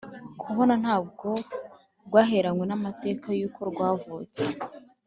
Kubona ntabwo rwaheranywe n’amateka yuko rwavutse.